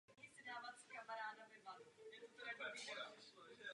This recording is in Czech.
Cítím, že evropská veřejnost ji chce.